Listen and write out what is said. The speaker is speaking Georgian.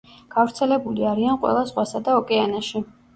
გავრცელებული არიან ყველა ზღვასა და ოკეანეში.